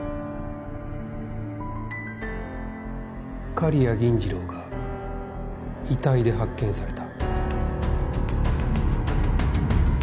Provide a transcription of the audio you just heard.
刈谷銀次郎が遺体で発見された。